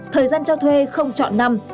thời gian cho thuê không chọn năm